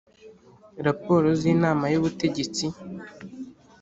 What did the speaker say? Raporo z’ Inama y’ ubutegetsi